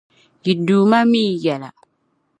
Yi Duuma mi yi yɛla.